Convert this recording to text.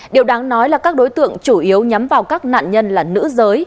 điều đáng nói là các đối tượng chủ yếu nhắm vào các nạn nhân là nữ giới